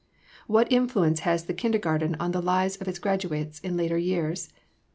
"What influence has the kindergarten on the lives of its graduates in later years?